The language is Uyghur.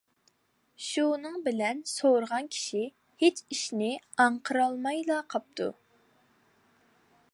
شۇنىڭ بىلەن سورىغان كىشى ھېچ ئىشنى ئاڭقىرالمايلا قاپتۇ.